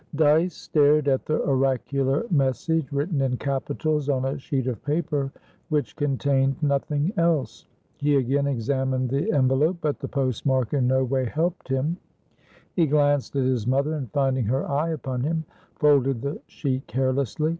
Dyce stared at the oracular message, written in capitals on a sheet of paper which contained nothing else. He again examined the envelope, but the post mark in no way helped him. He glanced at his mother, and, finding her eye upon him, folded the sheet carelessly.